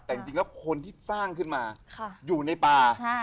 แต่จริงแล้วคนที่สร้างขึ้นมาอยู่ในป่า